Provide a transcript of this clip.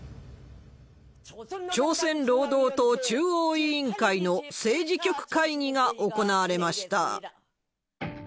朝鮮労働党中央委員会の政治局会議が行われました。